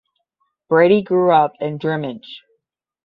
Brady grew up in Drimnagh.